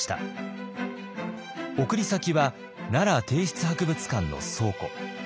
送り先は奈良帝室博物館の倉庫。